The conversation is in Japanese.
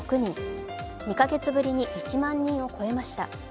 ２か月ぶりに１万人を超えました。